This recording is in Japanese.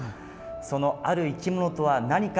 そのある生き物とは何か。